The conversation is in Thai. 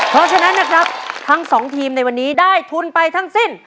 เพราะฉะนั้นนะครับทั้งสองทีมในวันนี้ได้ทุนไปทั้งสิ้น